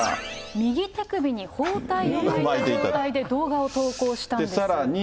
右手首に包帯を巻いた状態で動画を投稿したんです。